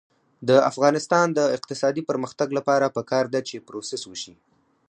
د افغانستان د اقتصادي پرمختګ لپاره پکار ده چې پروسس وشي.